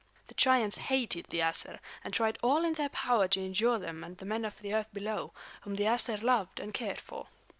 The giants hated the Æsir, and tried all in their power to injure them and the men of the earth below, whom the Æsir loved and cared for.